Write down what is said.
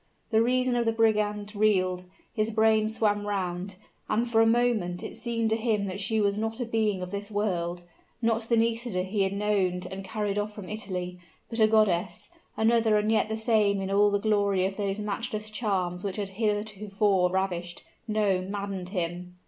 The reason of the brigand reeled, his brain swam round, and for a moment it seemed to him that she was not a being of this world; not the Nisida he had known and carried off from Italy, but a goddess, another and yet the same in all the glory of those matchless charms which had heretofore ravished no, maddened him!